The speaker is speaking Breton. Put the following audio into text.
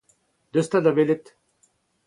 Deus 'ta da welet !